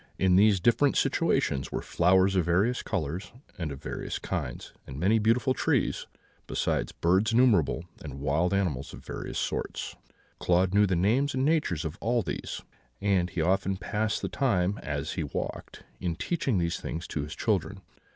In these different situations were flowers of various colours and of various kinds, and many beautiful trees, besides birds innumerable and wild animals of various sorts. Claude knew the names and natures of all these; and he often passed the time, as he walked, in teaching these things to his children.